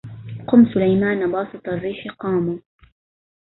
قم سليمان بساط الريح قاما